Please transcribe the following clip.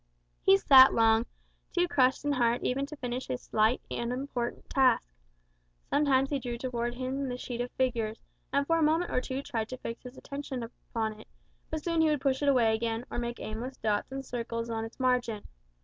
He sat long, too crushed in heart even to finish his slight, unimportant task. Sometimes he drew towards him the sheet of figures, and for a moment or two tried to fix his attention upon it; but soon he would push it away again, or make aimless dots and circles on its margin.